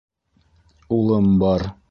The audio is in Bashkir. Улым бар.